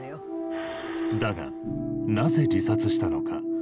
だがなぜ自殺したのか。